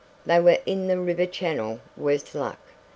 They were in the river channel worse luck!